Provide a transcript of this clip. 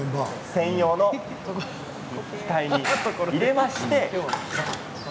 専用の機械に入れまして。